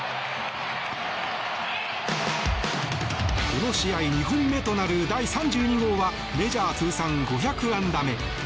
この試合２本目となる第３２号はメジャー通算５００安打目。